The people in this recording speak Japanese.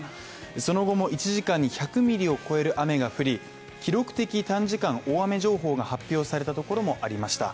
その後も１時間に１００ミリを超える雨が降り記録的短時間大雨情報が発表された所もありました。